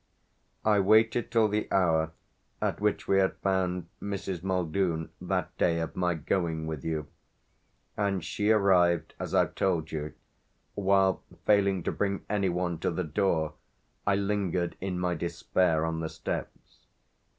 "I waited till the hour at which we had found Mrs. Muldoon that day of my going with you; and she arrived, as I've told you, while, failing to bring any one to the door, I lingered in my despair on the steps.